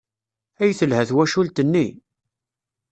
Ay telha twacult-nni!